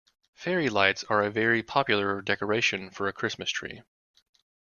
Fairy lights are a very popular decoration for a Christmas tree